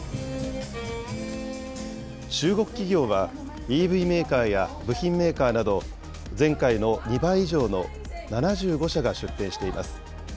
中国企業は、ＥＶメーカーや部品メーカーなど、前回の２倍以上の７５社が出展しています。